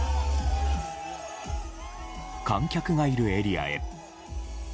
観客がいるエリアへ。